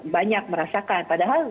banyak merasakan padahal